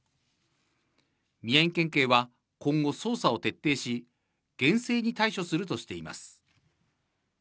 宮城県警は今後、捜査を徹底し、厳正に対処するとしています。